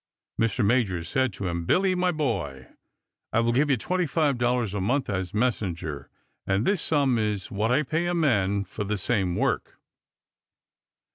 Mr. Majors said to him: "Billy, my boy, I will give you $25 a month as messenger, and this sum is what I pay a man for the same work."